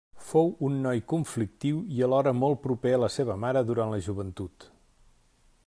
Fou un noi conflictiu i alhora molt proper a la seva mare durant la joventut.